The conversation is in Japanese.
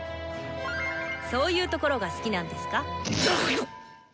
そういうところが好きなんですか？